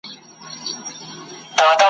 پاس پر ونو ځالګۍ وې د مرغانو ,